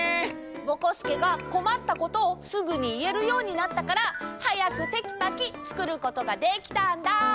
ぼこすけがこまったことをすぐにいえるようになったからはやくテキパキつくることができたんだ！